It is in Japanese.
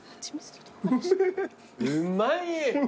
うまい！